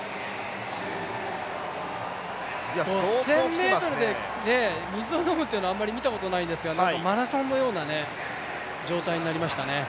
５０００ｍで水を飲むというのはあまり見たことがないんですがマラソンのような状態になりましたね。